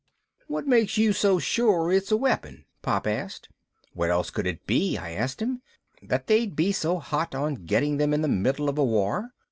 "What makes you so sure it's a weapon?" Pop asked. "What else would it be," I asked him, "that they'd be so hot on getting them in the middle of a war?"